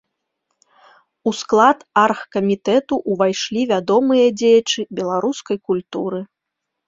У склад аргкамітэту ўвайшлі вядомыя дзеячы беларускай культуры.